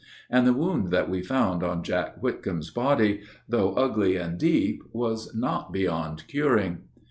And the wound that we found on Jack Whitcomb's body, Though ugly and deep, was not beyond curing.